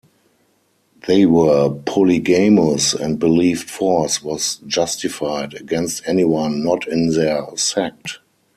They were polygamous and believed force was justified against anyone not in their sect.